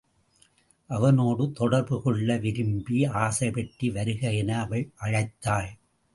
அவனோடு தொடர்பு கொள்ள விரும்பி ஆசை பற்றி வருக என அவள் அழைத்தாள்.